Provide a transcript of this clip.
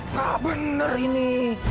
nggak benar ini